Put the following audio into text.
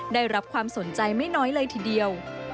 ได้รับความสนใจไม่น้อยเลยทีเดียว